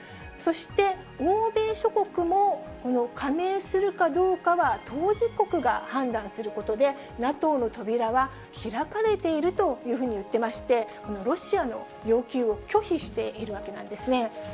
そして欧米諸国も、この加盟するかどうかは当事国が判断することで、ＮＡＴＯの扉は開かれているというふうにいってまして、ロシアの要求を拒否しているわけなんですね。